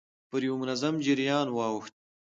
پر يوه منظم جريان واوښت.